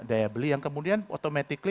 daya beli yang kemudian automaticall